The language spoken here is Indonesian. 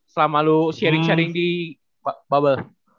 selama lo sharing sharing di bubble